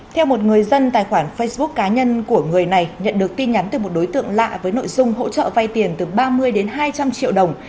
theo một người dân tài khoản facebook cá nhân của người này nhận được tin nhắn từ một đối tượng lạ với nội dung hỗ trợ vay tiền từ ba mươi đến hai trăm linh triệu đồng